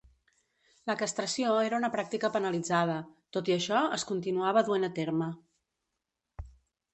La castració era una pràctica penalitzada, tot i això es continuava duent a terme.